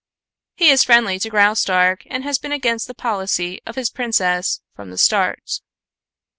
He is friendly to Graustark and has been against the policy of his princess from the start."